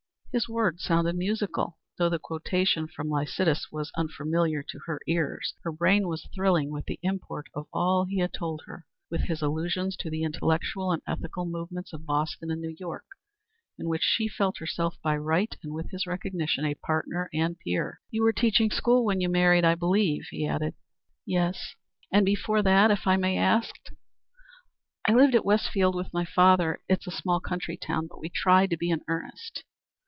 '" His words sounded musical, though the quotation from Lycidas was unfamiliar to her ears. Her brain was thrilling with the import of all he had told her with his allusions to the intellectual and ethical movements of Boston and New York, in which she felt herself by right and with his recognition a partner and peer. "You were teaching school when you married, I believe?" he added. "Yes." "And before that, if I may ask?" "I lived at Westfield with my father. It is a small country town, but we tried to be in earnest."